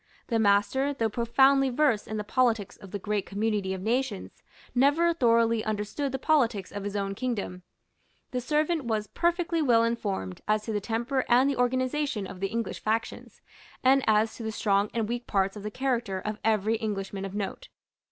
The master, though profoundly versed in the politics of the great community of nations, never thoroughly understood the politics of his own kingdom. The servant was perfectly well informed as to the temper and the organization of the English factions, and as to the strong and weak parts of the character of every Englishman of note.